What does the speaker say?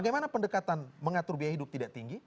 bagaimana pendekatan mengatur biaya hidup tidak tinggi